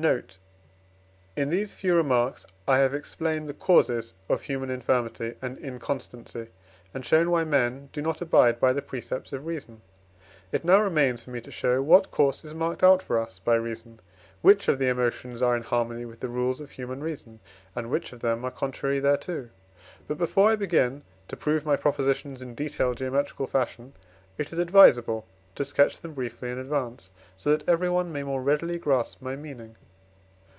Note. In these few remarks I have explained the causes of human infirmity and inconstancy, and shown why men do not abide by the precepts of reason. It now remains for me to show what course is marked out for us by reason, which of the emotions are in harmony with the rules of human reason, and which of them are contrary thereto. But, before I begin to prove my Propositions in detailed geometrical fashion, it is advisable to sketch them briefly in advance, so that everyone may more readily grasp my meaning.